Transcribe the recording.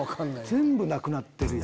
全部なくなってるやん。